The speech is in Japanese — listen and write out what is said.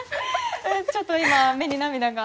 ちょっと今目に涙が。